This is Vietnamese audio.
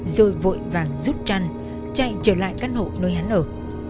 rồi vội vàng rút chăn chạy trở lại căn hộ nơi hắn ở